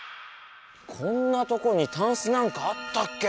こんなとこにタンスなんかあったっけ？